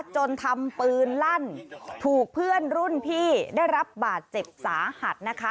จนทำปืนลั่นถูกเพื่อนรุ่นพี่ได้รับบาดเจ็บสาหัสนะคะ